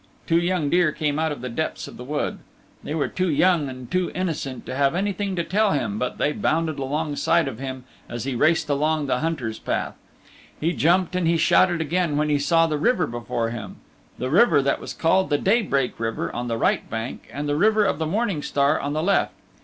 Two young deer came out of the depths of the wood. They were too young and too innocent to have anything to tell him, but they bounded alongside of him as he raced along the Hunter's Path. He jumped and he shouted again when he saw the river before him the river that was called the Daybreak River on the right bank and the River of the Morning Star on the left.